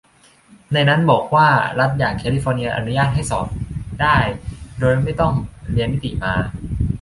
ในนั้นบอกว่ารัฐอย่างแคลิฟอร์เนียอนุญาตให้สอบเนได้โดยไม่ต้องเรียนนิติมา